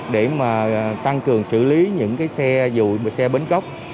để mà tăng cường xử lý những xe dù xe bến cốc